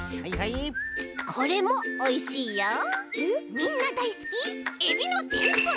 みんなだいすきエビのてんぷら！